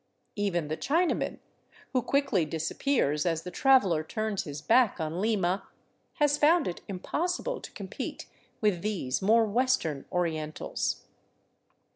Even the Chinaman, who quickly disappears as the traveler turns his back on Lima, has found it impossible to compete with these more western Orientals.